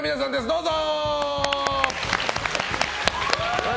どうぞ！